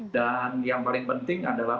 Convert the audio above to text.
dan yang paling penting adalah